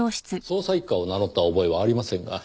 捜査一課を名乗った覚えはありませんが。